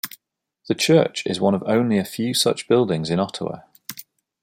The church is one of only a few such buildings in Ottawa.